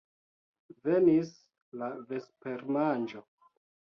Venis la vespermanĝo.